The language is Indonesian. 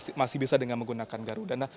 masih bisa dengan menggunakan garuda